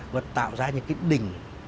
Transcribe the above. và tạo ra những cái đỉnh